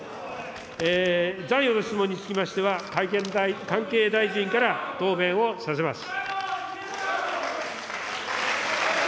残余の質問につきましては、関係大臣から答弁をさせます。